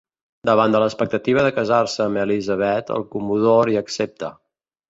Davant de l'expectativa de casar-se amb Elizabeth el comodor hi accepta.